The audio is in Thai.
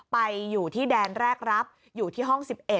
ไปอยู่ที่แดนแรกรับอยู่ที่ห้อง๑๑